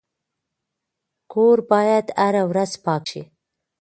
کور باید هره ورځ پاک شي.